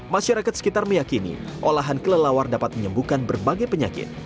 masyarakat sekitar meyakini olahan kelelawar dapat menyembuhkan berbagai penyakit